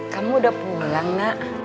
kamu udah pulang nak